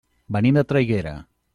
Venim de Traiguera.